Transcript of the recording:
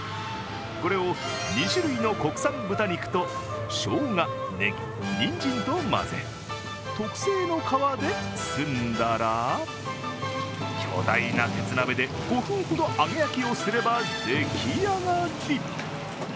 これを２種類の国産豚肉とショウガ、ネギニンジンと混ぜ特製の皮で包んだら、巨大な鉄鍋で５分ほど、揚げ焼きをすれば出来上がり。